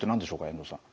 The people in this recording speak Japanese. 遠藤さん。